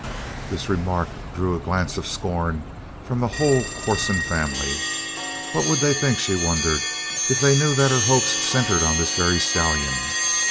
This remark drew a glance of scorn from the whole Corson family. What would they think, she wondered, if they knew that her hopes centered on this very stallion?